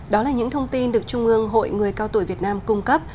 đó là những thông tin được trung ương hội người cao tuổi việt nam cung cấp